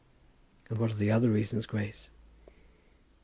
"And what are the other reasons, Grace?"